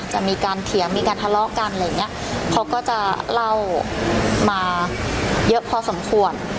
เถียงมีการทะเลาะกันอะไรอย่างเงี้ยเขาก็จะเล่ามาเยอะพอสมควร